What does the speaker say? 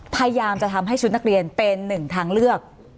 พยายามจะทำให้ชุดนักเรียนเป็นหนึ่งทางเลือก